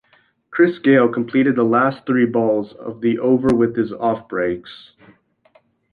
Chris Gayle completed the last three balls of the over with his off-breaks.